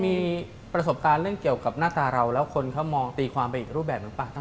มีประสบการณ์เรื่องเกี่ยวกับหน้าตาเราแล้วคนเขามองตีความไปอีกรูปแบบหรือเปล่า